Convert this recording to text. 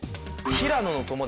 平野の友達。